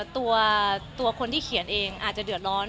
ตัวคนที่เขียนเองอาจจะเดือดร้อน